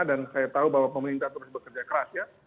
dan saya tahu bahwa pemerintah terus bekerja keras ya